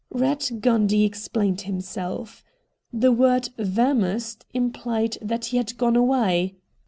Eatt Gundy explained himself. The word ' vamosed ' implied that he had gone away.